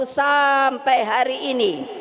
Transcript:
sampai hari ini